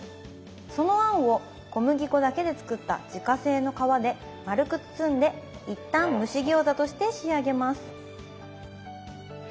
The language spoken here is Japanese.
その餡を小麦粉だけで作った自家製の皮で丸く包んで一旦蒸し餃子として仕上げます